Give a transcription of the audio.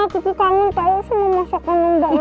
kiki kangen tapi snowy masih kangen danding